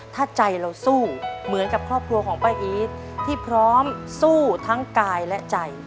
ถ้าใจเราสู้เหมือนกับครอบครัวของป้าอีทที่พร้อมสู้ทั้งกายและใจ